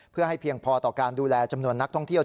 เพื่อให้เพียงพอต่อการดูแลจำนวนนักท่องเที่ยว